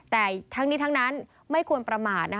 แต่ทั้งนี้ทั้งนั้นไม่ควรประมาท